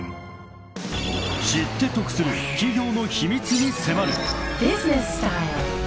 ［知って得する企業の秘密に迫る］